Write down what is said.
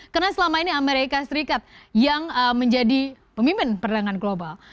karena selama ini amerika serikat yang menjadi pemimpin perdagangan global